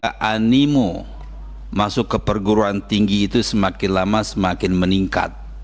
karena animo masuk ke perguruan tinggi itu semakin lama semakin meningkat